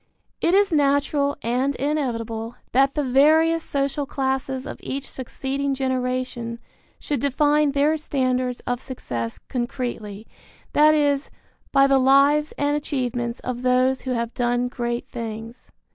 It is natural and inevitable that the various social classes of each succeeding generation should define their standards of success concretely, that is, by the lives and achievements of those who have done great things.